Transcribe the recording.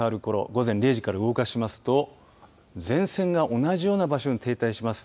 午前０時から動かしますと前線が同じような場所に停滞します。